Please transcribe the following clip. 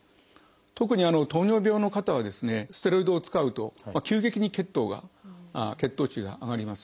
特に糖尿病の方はステロイドを使うと急激に血糖値が上がります。